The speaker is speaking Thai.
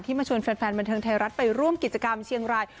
มาชวนแฟนบันเทิงไทยรัฐไปร่วมกิจกรรมเชียงราย